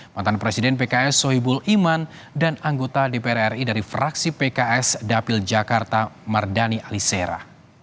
mantan presiden pks sohibul iman dan anggota dpr ri dari fraksi pks dapil jakarta mardani alisera